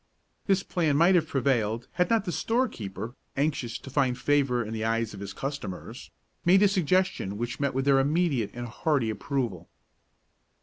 This plan might have prevailed had not the storekeeper, anxious to find favor in the eyes of his customers, made a suggestion which met with their immediate and hearty approval.